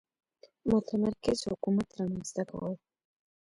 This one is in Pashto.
متمرکز حکومت رامنځته کول.